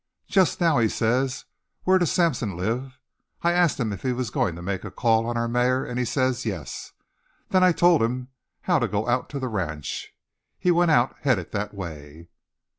Just now he says: 'Where does Sampson live?' I asked him if he was goin' to make a call on our mayor, an' he says yes. Then I told him how to go out to the ranch. He went out, headed that way."